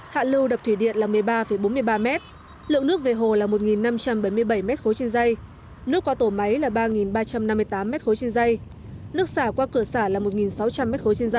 hạ lưu đập thủy điện là một mươi ba bốn mươi ba m lượng nước về hồ là một năm trăm bảy mươi bảy m ba nước qua tổ máy là ba ba trăm năm mươi tám m ba nước xả qua cửa xả là một sáu trăm linh m ba